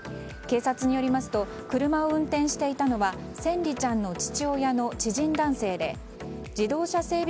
警察によりますと車を運転していたのは千椋ちゃんの父親の知人男性で自動車整備